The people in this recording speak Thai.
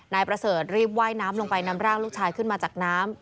นายประเสริฐรีบว่ายน้ำลงไปนำร่างลูกชายขึ้นมาจากน้ำ